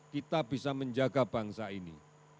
kita bisa menjaga bangsa ini